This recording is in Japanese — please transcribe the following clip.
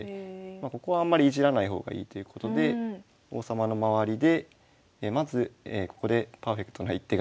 ここはあんまりいじらない方がいいということで王様の周りでまずここでパーフェクトな一手が。